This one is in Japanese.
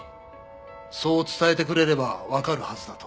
そう伝えてくれればわかるはずだと。